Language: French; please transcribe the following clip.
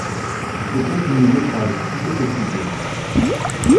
Il se peut qu'ils nous écrasent, tout est possible.